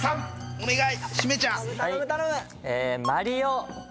お願い！